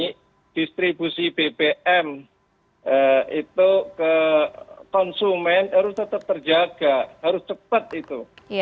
karena distribusi bbm itu ke konsumen harus tetap terjaga harus cepat itu